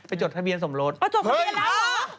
จดทะเบียนสมรสอ๋อจดทะเบียนแล้วเหรอ